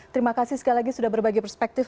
terima kasih sekali lagi sudah berbagi perspektif